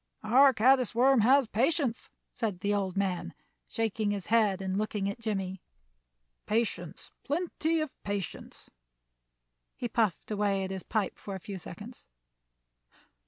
Our caddis worm has patience," said the old man, shaking his head and looking at Jimmie "patience, plenty of patience." He puffed away at his pipe for a few seconds.